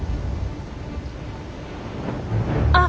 あ！